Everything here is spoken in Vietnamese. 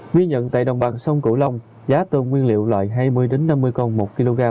ghi nhận tại đồng bằng sông cửu long giá tôm nguyên liệu loại hai mươi năm mươi con một kg